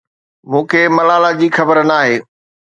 مون کي ملالا جي خبر ناهي.